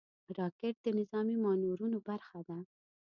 راکټ د نظامي مانورونو برخه ده